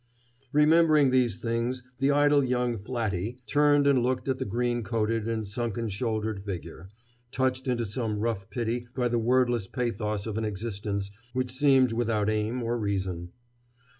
Remembering these things the idle young "flatty" turned and looked at the green coated and sunken shouldered figure, touched into some rough pity by the wordless pathos of an existence which seemed without aim or reason.